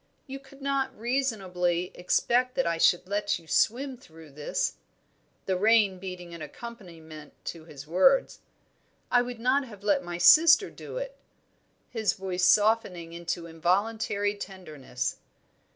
You could not reasonably expect that I should let you swim through this" the rain beating an accompaniment to his words. "I would not have let my sister do it" his voice softening into involuntary tenderness.